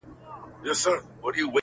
o د نورو ديد د بادينزي گومان٫